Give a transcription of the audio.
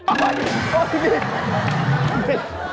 โอ๊ย